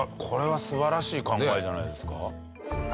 これは素晴らしい考えじゃないですか？